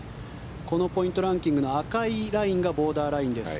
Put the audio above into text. このポイントランキングの赤いラインがボーダーラインです。